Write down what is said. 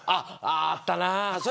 あったな。